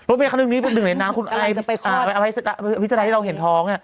รถเมียขนึงนิดรถเมียขนึงนิดนั้นคุณไอ้พิจาระที่เราเห็นท้องเนี่ย